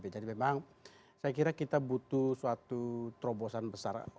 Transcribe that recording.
jadi memang saya kira kita butuh suatu terobosan besar